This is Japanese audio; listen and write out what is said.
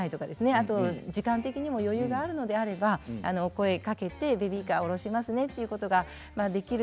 あと時間的にも余裕があるのであれば声かけてベビーカー下ろしますねっていうことができる